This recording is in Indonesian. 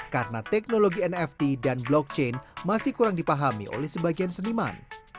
karena teknologi nft dan blockchain masih kurang dipahami oleh sebagian seniman